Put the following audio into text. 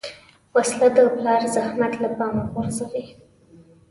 وسله د پلار زحمت له پامه غورځوي